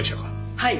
はい。